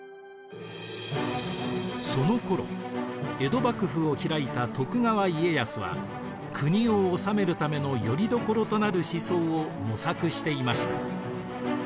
そのころ江戸幕府を開いた徳川家康は国を治めるためのよりどころとなる思想を模索していました。